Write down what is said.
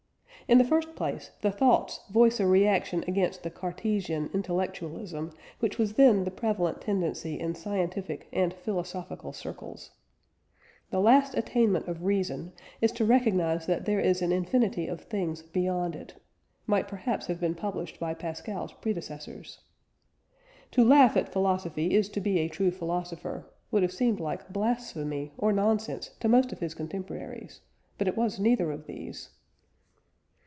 In the first place, the Thoughts voice a reaction against the "Cartesian intellectualism" which was then the prevalent tendency in scientific and philosophical circles. "The last attainment of reason is to recognise that there is an infinity of things beyond it" might perhaps have been published by Pascal's predecessors. "To laugh at philosophy is to be a true philosopher" would have seemed like blasphemy or nonsense to most of his contemporaries, but it was neither of these.